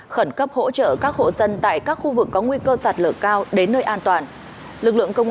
khẩn cấp hỗ trợ các hộ dân tại các khu vực có nguy cơ sạt lở cao đến nơi an toàn